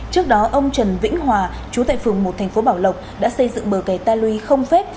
trước đó ông trần vĩnh hòa chú tại phường một tp bảo lộc đã xây dựng bờ kẻ ta lưu không phép